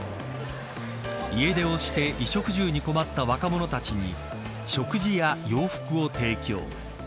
家出をして衣食住に困った若者たちに食事や洋服を提供。